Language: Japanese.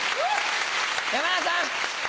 山田さん！